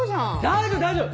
大丈夫大丈夫。